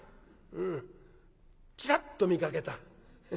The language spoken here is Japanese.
うんちらっと見かけた。